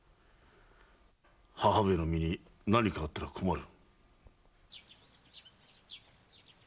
母上の身に何かあっては困る。